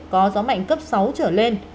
có gió mạnh cấp sáu trở lên